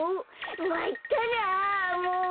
まいったなもう。